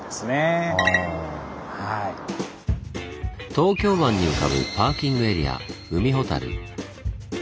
東京湾に浮かぶパーキングエリア海ほたる。